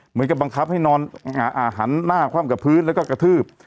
เหมือนกับบังคับให้นอนหันหน้าคว่ำกับพื้นแล้วก็กระทืบ